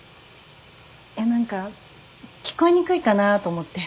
何か聞こえにくいかなと思って。